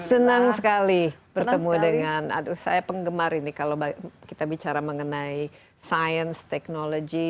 senang sekali bertemu dengan aduh saya penggemar ini kalau kita bicara mengenai science technology